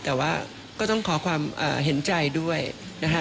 แต่ว่าก็ต้องขอความเห็นใจด้วยนะฮะ